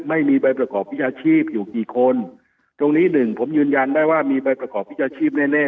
ไม่มีใบประกอบวิชาชีพอยู่กี่คนตรงนี้หนึ่งผมยืนยันได้ว่ามีใบประกอบวิชาชีพแน่แน่